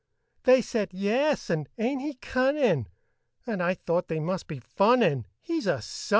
They said, "Yes," and, "Ain't he cunnin'?" And I thought they must be funnin', He's a _sight!